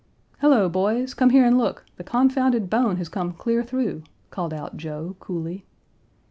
"Hello, boys! come here and look: the confounded bone has come clear through," called out Joe, coolly.